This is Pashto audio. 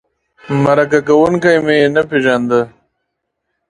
مرکه کوونکی مې نه پېژنده.